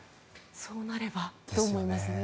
そうなればと思いますね。